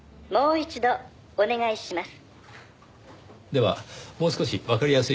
「もう一度お願いします」